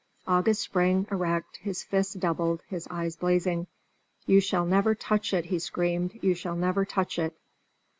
August sprang erect, his fists doubled, his eyes blazing. "You shall never touch it!" he screamed; "you shall never touch it!"